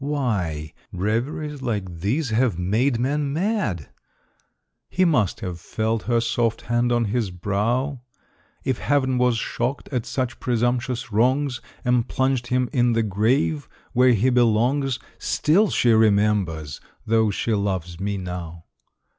Why, reveries like these have made men mad! He must have felt her soft hand on his brow. If Heaven was shocked at such presumptuous wrongs, And plunged him in the grave, where he belongs, Still she remembers, though she loves me now.